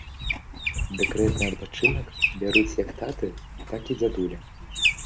Дэкрэтны адпачынак бяруць як таты, так і дзядулі.